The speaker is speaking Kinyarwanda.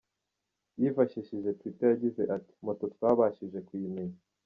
Yifashishije twitter yagize ati “Moto twabashije kuyimenya.